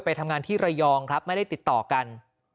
ไปทำงานที่ระยองครับไม่ได้ติดต่อกัน